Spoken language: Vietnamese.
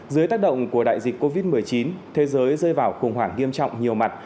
dưới tác động của đại dịch covid một mươi chín thế giới rơi vào khủng hoảng nghiêm trọng nhiều mặt